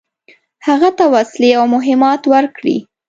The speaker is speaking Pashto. هغه ته وسلې او مهمات ورکړي.